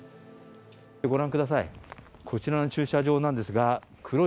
ご覧ください。